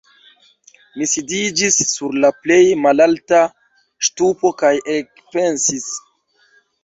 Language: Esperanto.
Mi sidiĝis sur la plej malalta ŝtupo kaj ekpensis.